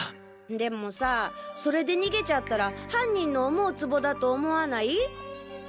でもさそれで逃げちゃったら犯人の思うつぼだと思わない？